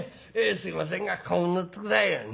すいませんが駕籠に乗って下さいよ」。